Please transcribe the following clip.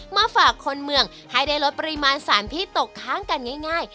มาฝากคนเมืองให้ได้ลดปริมาณสารที่ตกค้างกันง่าย